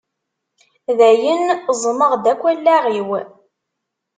Dayen ẓmeɣ-d akk allaɣ-iw